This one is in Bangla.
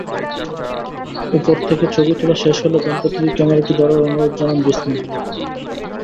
ওপর থেকে ছবি তোলা শেষ হলে দম্পতিকে ক্যামেরাটি ধরার অনুরোধ জানান বিষ্ণু।